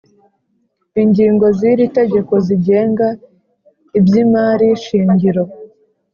Ingingo z iri tegeko zigenga iby’ imari shingiro.